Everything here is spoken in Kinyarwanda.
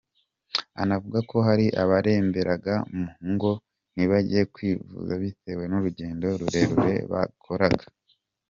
Anavuga ko hari abaremberaga mu ngo ntibajye kwivuza bitewe n’urugendo rurerure bakoraga.